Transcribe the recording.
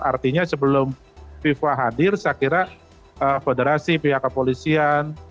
artinya sebelum fifa hadir saya kira foderasi pihak kepolisian